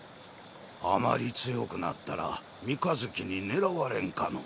あまり強くなったら三日月に狙われんかの？